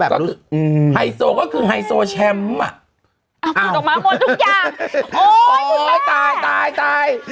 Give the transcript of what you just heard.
อะไรตามคุณพี่คนชอบคำดำ